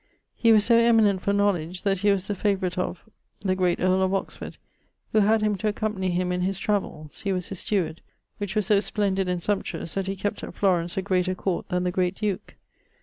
He was so eminent for knowledge, that he was the favourite of ...[LXXXVIII.] the great earle of Oxford, who had him to accompanie him in his travells (he was his steward), which were so splendid and sumptuous, that he kept at Florence a greater court then the Great Duke.